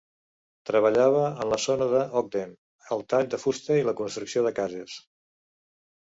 Treballava en la zona de Ogden el tall de fusta i la construcció de cases.